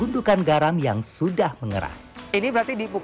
tunjukkannya dalam mostar tapi kurang berharga warna titik titik